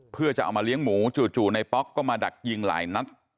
เพื่อจะเอามาเลี้ยงหมูจู่ในป๊อกก็มาดักยิงหลายนัด